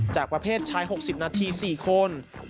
จากประเภทชาย๖๐นาที๔คน